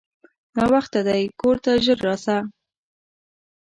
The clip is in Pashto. ناوخته دی کورته ژر راسه!